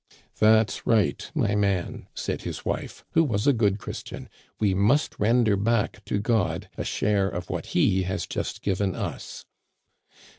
"* That's right, my man,' said his wife, who was a good Christian ;* we must render back to God a share of what he has just given us.'